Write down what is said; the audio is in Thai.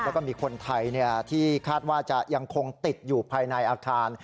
แล้วก็มีคนไทยที่คาดว่าจะยังคงติดอยู่ภายในอาคาร